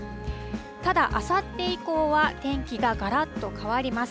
ただ、あさって以降は天気ががらっと変わります。